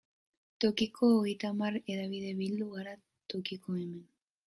Tokiko hogeita hamar hedabide bildu gara Tokikomen.